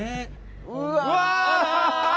うわ！